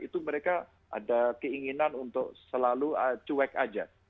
itu mereka ada keinginan untuk selalu cuek aja